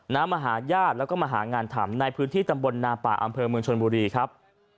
มาหาญาติแล้วก็มาหางานทำในพื้นที่ตำบลนาป่าอำเภอเมืองชนบุรีครับ